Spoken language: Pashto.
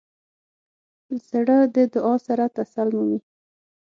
زړه د دعا سره تسل مومي.